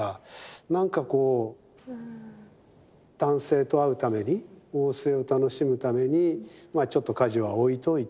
なんかこう男性と会うために逢瀬を楽しむためにちょっと家事はおいといて。